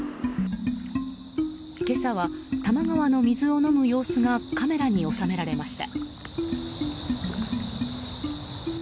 今朝は多摩川の水を飲む様子がカメラに収められました。